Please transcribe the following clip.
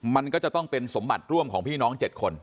มันก็จะต้องเป็นสมบัติร่วมของพี่น้อง๗คน